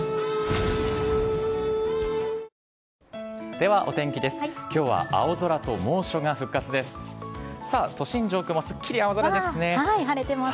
ではお天気です。